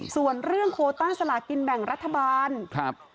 ส่วนเรื่องโคต้าสลากินแบ่งรัฐบาลครับ